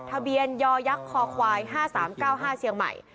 ทะเบียนยอยักษ์คอควายห้าสามเก้าห้าเชียงใหม่